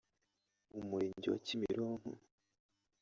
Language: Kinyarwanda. Umurenge wa Kimironko